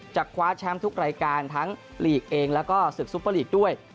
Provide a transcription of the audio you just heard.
คว้าแชมป์ทุกรายการทั้งลีกเองแล้วก็ศึกซุปเปอร์ลีกด้วย